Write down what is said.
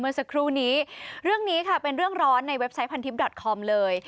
เมื่อสักครู่นี้เรื่องนี้ค่ะเป็นเรื่องร้อนในเว็บไซต์พันทิพย์ดอตคอมเลย